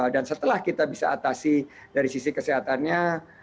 dan setelah kita bisa atasi dari sisi kesehatannya